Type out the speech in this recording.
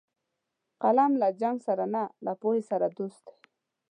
قلم له جنګ سره نه، له پوهې سره دوست دی